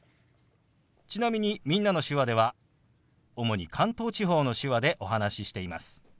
ちなみに「みんなの手話」では主に関東地方の手話でお話ししています。